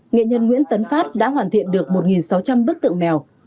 nghệ nhân nguyễn tấn phát đã hoàn thiện được một sáu trăm linh bức tượng mèo